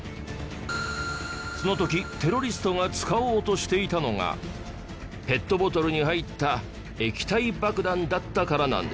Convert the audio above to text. その時テロリストが使おうとしていたのがペットボトルに入った液体爆弾だったからなんです。